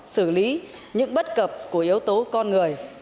xử lý những bất cập của yếu tố con người